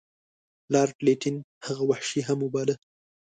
لارډ لیټن هغه وحشي هم باله.